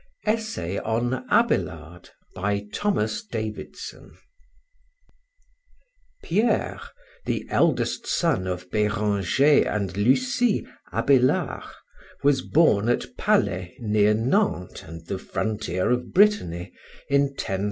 ABÉLARD (1079 1142) BY THOMAS DAVIDSON Pierre, the eldest son of Bérenger and Lucie (Abélard?) was born at Palais, near Nantes and the frontier of Brittany, in 1079.